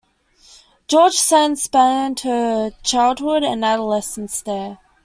George Sand spent her childhood and adolescence there.